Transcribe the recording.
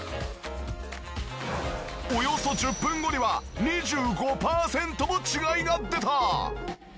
およそ１０分後には２５パーセントも違いが出た！